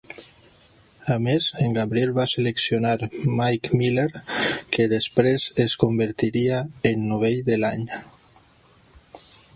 A més, en Gabriel va seleccionar Mike Miller, que després es convertiria en Novell de l"Any.